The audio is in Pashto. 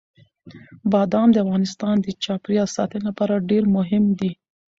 بادام د افغانستان د چاپیریال ساتنې لپاره ډېر مهم دي.